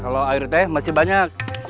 kalau air teh masih banyak